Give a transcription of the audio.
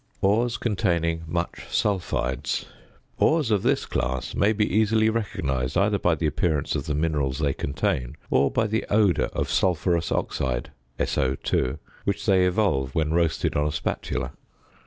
~Ores containing much Sulphides.~ Ores of this class may be easily recognized, either by the appearance of the minerals they contain or by the odour of sulphurous oxide (SO_) which they evolve when roasted on a spatula.